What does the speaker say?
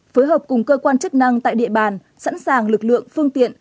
phối hợp cùng cơ quan chức năng tại địa bàn sẵn sàng lực lượng phương tiện